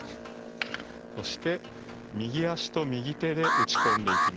そして右足と右手で打ち込んでいきます。